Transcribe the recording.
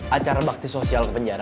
acara bakti sosial ke penjara